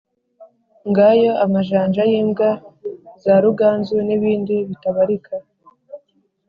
ngayo amajanja y'imbwa za ruganzu, n'ibindi bitabarika.